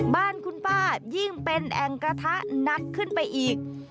บ้านคุณป้ายิ่งเป็นแอ่งกระทะหนักขึ้นไปอีก